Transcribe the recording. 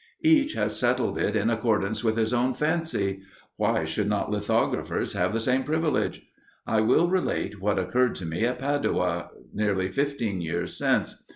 Each has settled it in accordance with his own fancy. Why should not lithographers have the same privilege? I will relate what occurred to me at Padua, nearly fifteen years since.